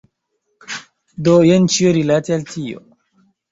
Do jen ĉio rilate al tio.